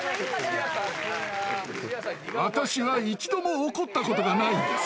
私は一度も怒ったことがないんです。